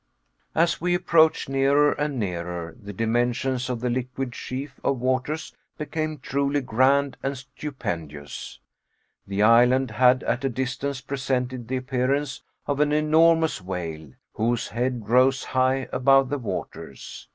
As we approached nearer and nearer, the dimensions of the liquid sheaf of waters became truly grand and stupendous. The island had, at a distance, presented the appearance of an enormous whale, whose head rose high above the waters.